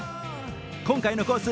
今回のコース